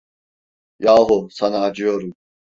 Yahu, sana acıyorum.